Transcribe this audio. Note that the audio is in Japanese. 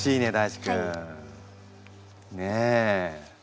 ねえ。